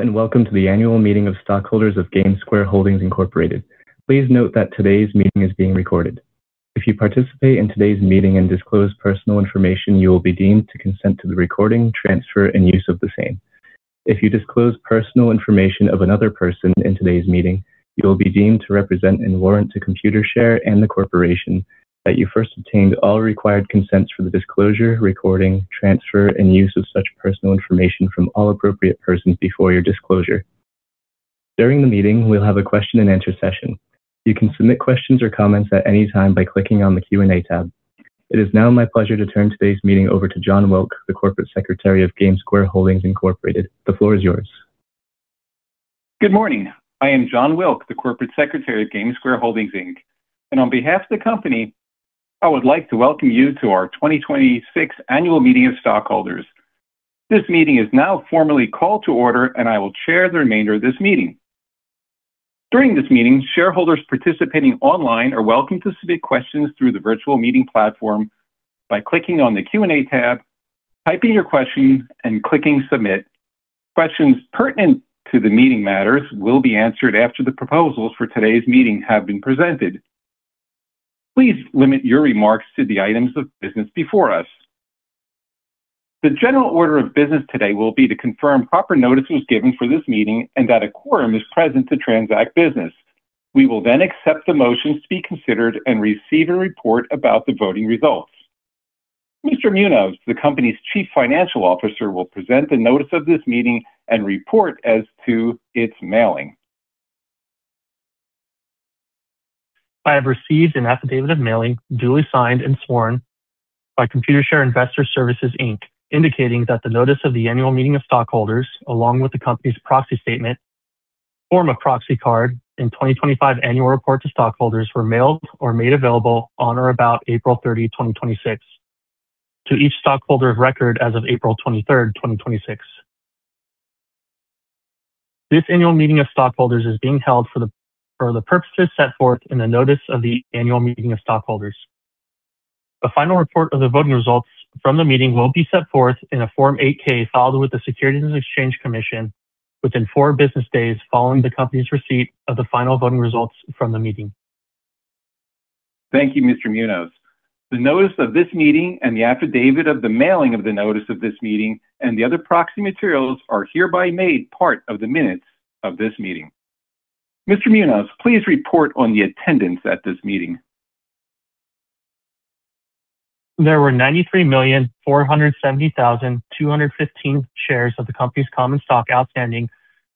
Hello, and welcome to the annual meeting of stockholders of GameSquare Holdings, Inc. Please note that today's meeting is being recorded. If you participate in today's meeting and disclose personal information, you will be deemed to consent to the recording, transfer, and use of the same. If you disclose personal information of another person in today's meeting, you will be deemed to represent and warrant to Computershare and the corporation that you first obtained all required consents for the disclosure, recording, transfer, and use of such personal information from all appropriate persons before your disclosure. During the meeting, we'll have a question and answer session. You can submit questions or comments at any time by clicking on the Q&A tab. It is now my pleasure to turn today's meeting over to John Wilk, the corporate secretary of GameSquare Holdings, Inc. The floor is yours. Good morning. I am John Wilk, the corporate secretary of GameSquare Holdings, Inc. On behalf of the company, I would like to welcome you to our 2026 annual meeting of stockholders. This meeting is now formally called to order, and I will chair the remainder of this meeting. During this meeting, shareholders participating online are welcome to submit questions through the virtual meeting platform by clicking on the Q&A tab, typing your question, and clicking submit. Questions pertinent to the meeting matters will be answered after the proposals for today's meeting have been presented. Please limit your remarks to the items of business before us. The general order of business today will be to confirm proper notice was given for this meeting and that a quorum is present to transact business. We will then accept the motions to be considered and receive a report about the voting results. Mr. Munoz, the company's Chief Financial Officer, will present the notice of this meeting and report as to its mailing. I have received an affidavit of mailing, duly signed and sworn by Computershare Investor Services, Inc., indicating that the notice of the annual meeting of stockholders, along with the company's proxy statement, form of proxy card, and 2025 annual report to stockholders were mailed or made available on or about April thirtieth, 2026 to each stockholder of record as of April twenty-third, 2026. This annual meeting of stockholders is being held for the purposes set forth in the notice of the annual meeting of stockholders. A final report of the voting results from the meeting will be set forth in a Form 8-K filed with the Securities and Exchange Commission within four business days following the company's receipt of the final voting results from the meeting. Thank you, Mr. Munoz. The notice of this meeting and the affidavit of the mailing of the notice of this meeting and the other proxy materials are hereby made part of the minutes of this meeting. Mr. Munoz, please report on the attendance at this meeting. There were 93,470,215 shares of the company's common stock outstanding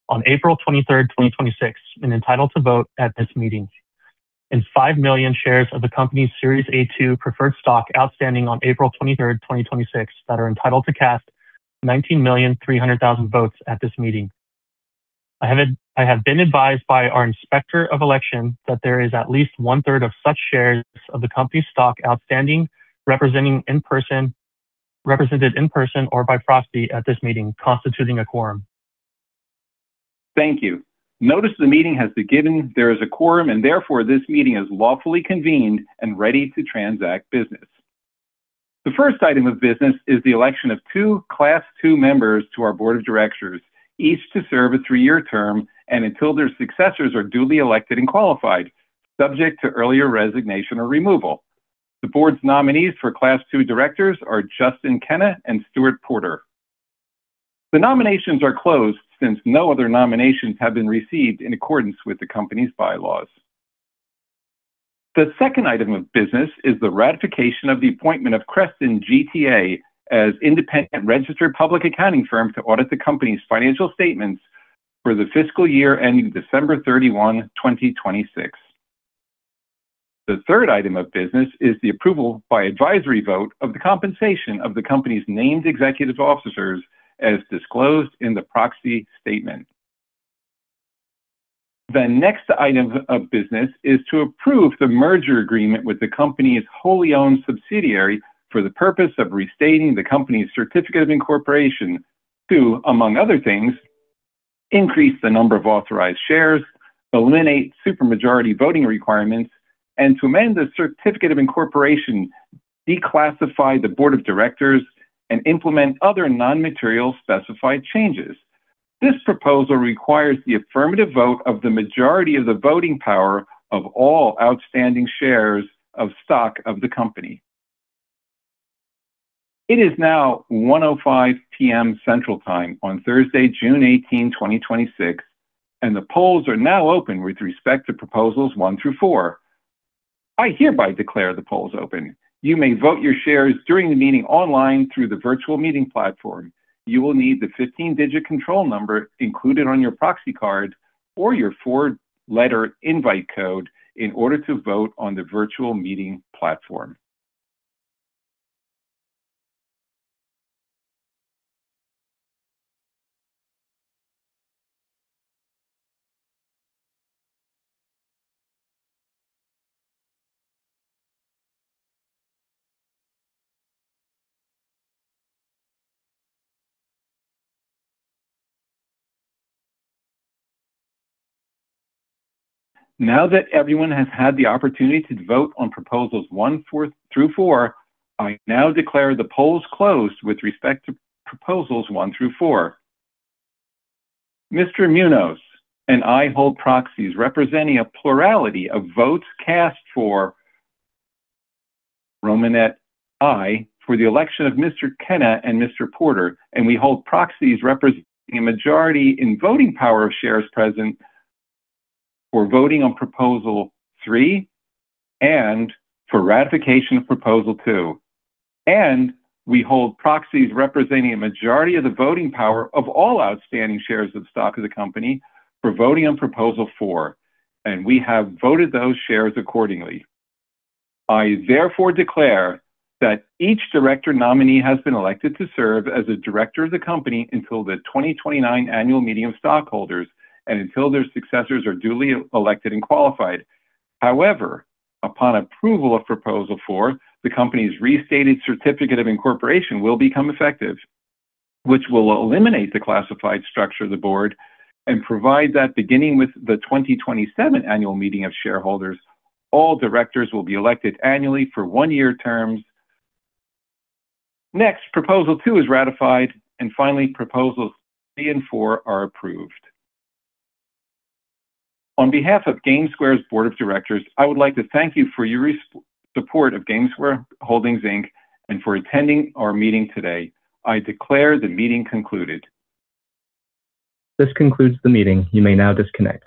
on April 23, 2026 and entitled to vote at this meeting, and 5 million shares of the company's Series A-2 Preferred Stock outstanding on April 23, 2026 that are entitled to cast 19 million 300,000 votes at this meeting. I have been advised by our inspector of election that there is at least one-third of such shares of the company's stock outstanding, represented in person or by proxy at this meeting, constituting a quorum. Thank you. Notice the meeting has begun. There is a quorum. Therefore, this meeting is lawfully convened and ready to transact business. The first item of business is the election of 2 Class 2 members to our board of directors, each to serve a three-year term and until their successors are duly elected and qualified, subject to earlier resignation or removal. The board's nominees for Class 2 directors are Justin Kenna and Stuart Porter. The nominations are closed since no other nominations have been received in accordance with the company's bylaws. The second item of business is the ratification of the appointment of Kreston GTA as independent registered public accounting firm to audit the company's financial statements for the fiscal year ending December 31, 2026. The third item of business is the approval by advisory vote of the compensation of the company's named executive officers as disclosed in the proxy statement. The next item of business is to approve the merger agreement with the company's wholly owned subsidiary for the purpose of restating the company's certificate of incorporation to, among other things, increase the number of authorized shares, eliminate super majority voting requirements, and to amend the certificate of incorporation, declassify the board of directors, and implement other non-material specified changes. This proposal requires the affirmative vote of the majority of the voting power of all outstanding shares of stock of the company. It is now 1:05 P.M. Central Time on Thursday, June 18, 2026. The polls are now open with respect to proposals one through four. I hereby declare the polls open. You may vote your shares during the meeting online through the virtual meeting platform. You will need the 15-digit control number included on your proxy card or your 4-letter invite code in order to vote on the virtual meeting platform. Now that everyone has had the opportunity to vote on proposals one through four, I now declare the polls closed with respect to proposals one through four. Mr. Munoz and I hold proxies representing a plurality of votes cast for Item One for the election of Mr. Kenna and Mr. Porter, and we hold proxies representing a majority in voting power of shares present for voting on proposal three and for ratification of proposal two, and we hold proxies representing a majority of the voting power of all outstanding shares of stock of the company for voting on proposal four, and we have voted those shares accordingly. I therefore declare that each director nominee has been elected to serve as a director of the company until the 2029 annual meeting of stockholders and until their successors are duly elected and qualified. However, upon approval of proposal four, the company's restated certificate of incorporation will become effective, which will eliminate the classified structure of the board and provide that beginning with the 2027 annual meeting of shareholders, all directors will be elected annually for one-year terms. Proposal two is ratified, finally, proposals three and four are approved. On behalf of GameSquare's board of directors, I would like to thank you for your support of GameSquare Holdings, Inc., and for attending our meeting today. I declare the meeting concluded. This concludes the meeting. You may now disconnect.